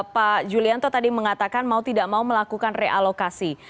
pak julianto tadi mengatakan mau tidak mau melakukan realokasi